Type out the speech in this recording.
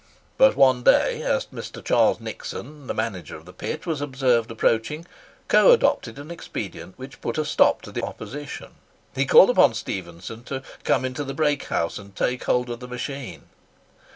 But one day as Mr. Charles Nixon, the manager of the pit, was observed approaching, Coe adopted an expedient which put a stop to the opposition. He called upon Stephenson to "come into the brake house, and take hold of the machine."